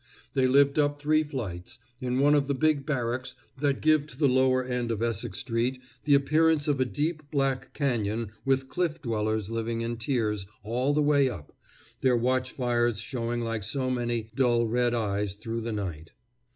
They lived up three flights, in one of the big barracks that give to the lower end of Essex street the appearance of a deep black cañon with cliff dwellers living in tiers all the way up, their watch fires showing like so many dull red eyes through the night.